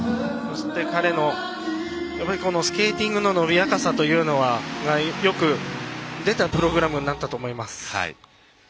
彼のスケーティングの伸びやかさというのが、よく出たプログラムになったと思います。